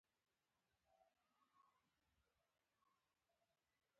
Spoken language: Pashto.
که څه هم د اسامبلۍ ژبې پوه غوښتل مرسته وکړي